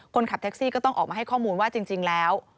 คนขับแท็กซี่ก็ต้องออกมาให้ข้อมูลว่าจริงแล้ว